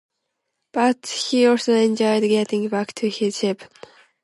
But he also enjoyed getting back to his ship.